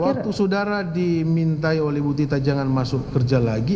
waktu saudara dimintai oleh ibu tita jangan masuk kerja lagi